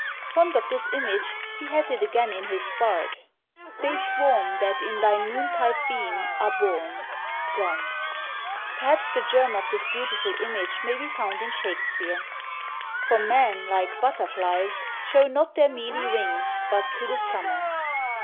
Fond of this image, he has it again in his "Bard," They SWARM, that in thy NOONTIDE BEAM are born, Gone! Perhaps the germ of this beautiful image may be found in Shakspeare: for men, like BUTTERFLIES, Show not their mealy wings but to THE SUMMER.